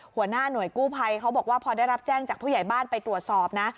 หัวหน้าหน่วยกู้ภัยเขาบอกว่าพอได้รับแจ้งจากผู้ใหญ่บ้านไปตรวจสอบนะ